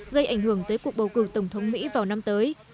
gây ảnh hưởng tới cuộc bầu cử tổng thống mỹ vào năm tới